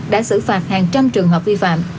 đã xử phạt hàng trăm trường hợp vi phạm